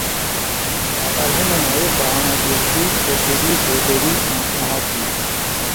Կատարվում է նաև վահանագեղձի, թոքերի, հոդերի մասնահատում։